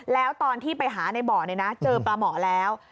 แล้วตอนที่ไปหาในบ่อเจอปลาหมอแล้ว